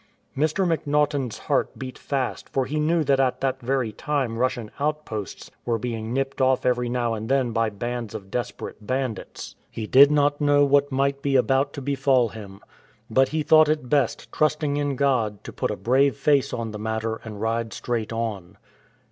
Mr. MacNaughtan's heart beat fast, for he knew that at that very time Russian outposts were being nipped off' every now and then by bands of desperate bandits. He 100 ADVENTURE WITH BANDITS did not know what might be about to befall him. But he thought it best, trusting in God, to put a brave face on the matter and ride straight on.